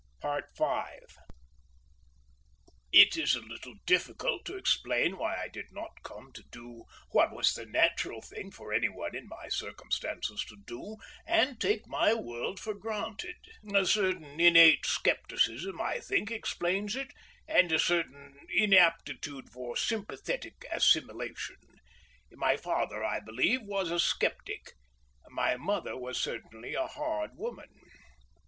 V It is a little difficult to explain why I did not come to do what was the natural thing for any one in my circumstances to do, and take my world for granted. A certain innate scepticism, I think, explains it and a certain inaptitude for sympathetic assimilation. My father, I believe, was a sceptic; my mother was certainly a hard woman.